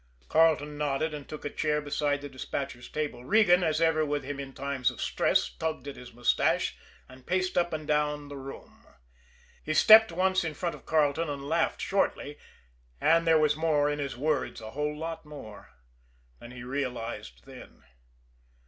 Carleton nodded, and took a chair beside the despatcher's table. Regan, as ever with him in times of stress, tugged at his mustache, and paced up and down the room. He stepped once in front of Carleton and laughed shortly and there was more in his words, a whole lot more, than he realized then.